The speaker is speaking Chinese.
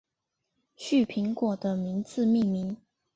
旭苹果的名字命名。